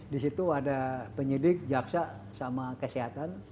di situ ada penyidik jaksa sama kesehatan